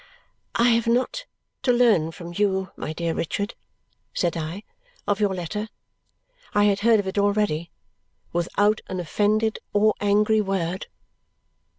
"I have not to learn from you, my dear Richard," said I, "of your letter. I had heard of it already without an offended or angry word."